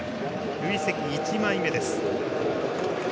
累積１枚目です。